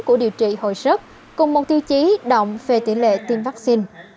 của điều trị hồi sức cùng một tiêu chí động về tỷ lệ tiêm vaccine